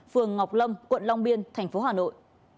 phường ngọc lâm quận long biên thành phố hà nội